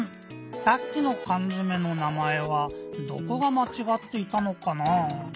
さっきのかんづめの名まえはどこがまちがっていたのかな？